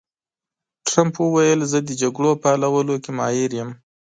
ټرمپ وویل، زه د جګړو په حلولو کې ماهر یم.